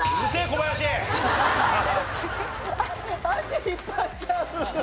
足引っ張っちゃう。